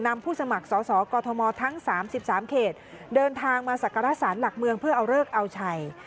นำผู้สมัครสอสอกอทมทั้งสามสิบสามเขตเดินทางมาสการสารหลักเมืองเพื่อเอาเลิกเอาชัย